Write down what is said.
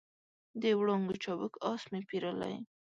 د وړانګو چابک آس مې پیرلی